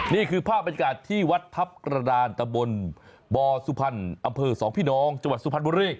นี่คือภาพบรรยากาศที่วัดทัพกระดานตะบนบสุภัณฐ์อสองพี่น้องจสุภัณฐ์บุรี